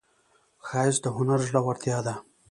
ښایست د هنر زړورتیا ده